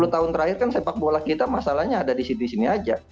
dua puluh tahun terakhir kan sepak bola kita masalahnya ada di sini sini saja